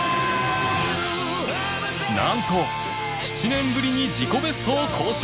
なんと７年ぶりに自己ベストを更新！